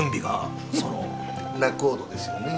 仲人ですよね。